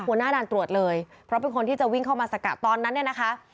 หัวหน้าด่านตรวจเลยเพราะเป็นคนที่จะวิ่งเข้ามาสกัดตอนนั้นเนี่ยนะคะ